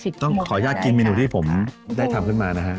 ขอยากกินเมนูที่ผมได้ทำขึ้นมานะฮะ